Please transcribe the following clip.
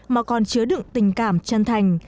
mà còn chứa đựng tình cảm chân thành